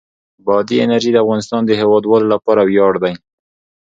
بادي انرژي د افغانستان د هیوادوالو لپاره ویاړ دی.